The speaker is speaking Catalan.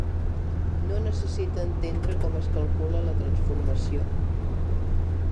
No necessita entendre com es calcula la transformació.